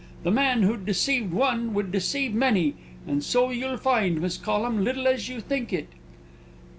The man who'd deceive one would deceive many, and so you'll find, Miss Collum, little as you think it."